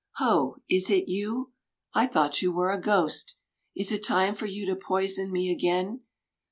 Ho, is it you? I thought you were a ghost. Is it time, for ^ou to poison me again?